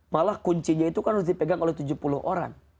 malah kuncinya itu kan harus dipegang oleh tujuh puluh orang